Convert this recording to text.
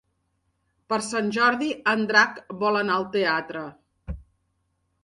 Per Sant Jordi en Drac vol anar al teatre.